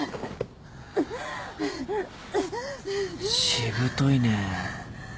しぶといねぇ。